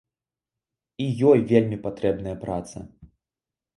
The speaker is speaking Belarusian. І ёй вельмі патрэбная праца.